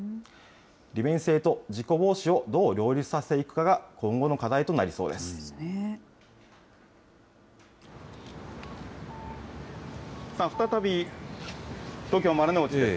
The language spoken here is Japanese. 利便性と事故防止をどう両立させていくかが今後の課題となりそう再び東京・丸の内です。